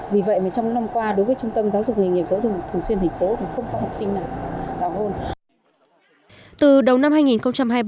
vì vậy mà trong năm qua đối với trung tâm giáo dục nghề nghiệp giáo dục thường xuyên thành phố thì không có học sinh nào tảo hôn